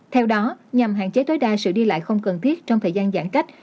theo đó nhằm hạn chế tối đa sự đi lại không cần thiết trong thời gian giãn cách